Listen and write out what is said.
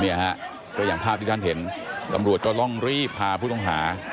เนี่ยฮะก็อย่างภาพที่ท่านเห็นตำรวจก็ต้องรีบพาผู้ต้องหา